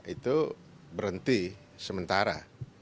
itu berhenti sementara